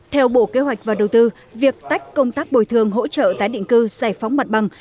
theo bộ kế hoạch và đầu tư việc tách công tác bồi thường hỗ trợ tái định cư giải phóng mặt bằng